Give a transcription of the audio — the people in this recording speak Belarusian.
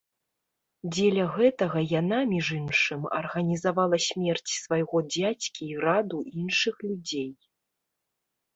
Дзеля гэтага яна, між іншым, арганізавала смерць свайго дзядзькі і раду іншых людзей.